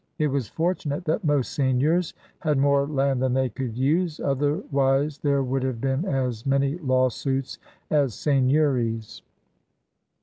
It was fortu nate that most seigneurs had more land than they could use; otherwise there would have been as many lawsuits as seigneuries.